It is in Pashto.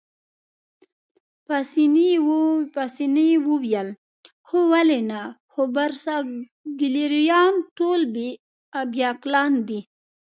پاسیني وویل: هو ولې نه، خو برساګلیریايان ټول بې عقلان دي.